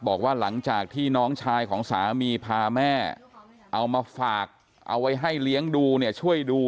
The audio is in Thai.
บอกว่าหลังจากที่น้องชายของสามีพาแม่เอามาฝากเอาไว้ให้เลี้ยงดูเนี่ยช่วยดู